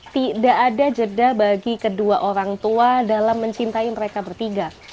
tidak ada jeda bagi kedua orang tua dalam mencintai mereka bertiga